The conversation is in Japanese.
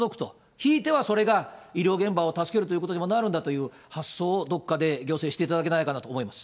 ひいては、それが医療現場を助けるということにもなるんだという発想を、どこかで行政、していただけないかなと思います。